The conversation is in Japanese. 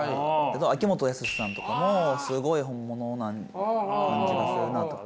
秋元康さんとかもすごい本物な感じがするなとか。